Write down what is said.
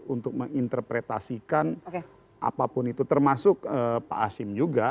untuk menginterpretasikan apapun itu termasuk pak asyim juga